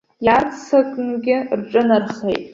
Иаарццакнгьы рҿынархеит.